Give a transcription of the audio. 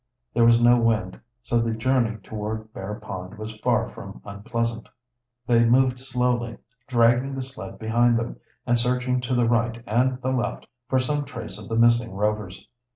There was no wind, so the journey toward Bear Pond was far from unpleasant. They moved slowly, dragging the sled behind them, and searching to the right and the left for some trace of the missing Rovers.